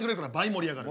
盛り上がる？